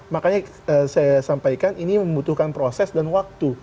makanya saya sampaikan ini membutuhkan proses dan waktu